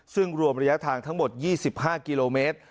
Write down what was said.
ซึ่งรวมระยะทางทั้งหมด๒๕กิโลเมตร